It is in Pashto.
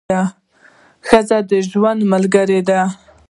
ښځه د ژوند ملګرې ده.